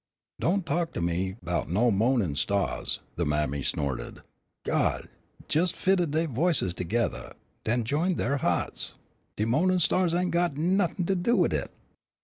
"Don't talk to me 'bout no mo'nin' stahs," the mammy snorted; "Gawd jes' fitted dey voices togeddah, an' den j'ined dey hea'ts. De mo'nin' stahs ain't got nothin' to do wid it."